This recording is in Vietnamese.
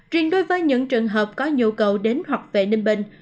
riêng đối với những trường hợp có nhu cầu đến hoặc về ninh bình